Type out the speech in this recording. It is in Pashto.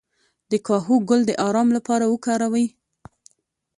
د کاهو ګل د ارام لپاره وکاروئ